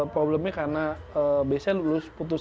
problemnya karena biasanya lulus putus smp putus sma